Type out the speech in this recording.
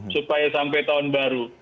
supaya sampai tahun baru